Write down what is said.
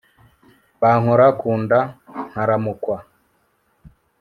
bankora ku nda nkaramukwa